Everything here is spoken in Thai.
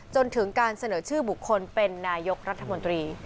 จนถึงการเสนอชื่อบุคคลเป็นนายกรัฐมนตรี